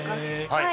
はい。